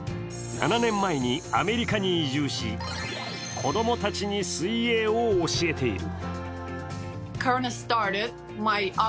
７年前にアメリカに移住し子供たちに水泳を教えている。